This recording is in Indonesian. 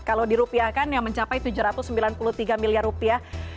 kalau di rupiah kan yang mencapai tujuh ratus sembilan puluh tiga miliar rupiah